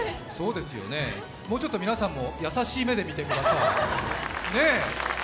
もうちょっと皆さんも優しい目で見てください。